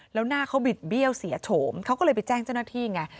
แล้วหน้าเขาบิดเบี้ยวเสียโฉมเขาก็เลยไปแจ้งเจ้าหน้าที่ไง